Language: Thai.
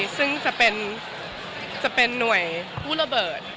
ซึ่งจะเป็นหน่วยผู้ระเบิด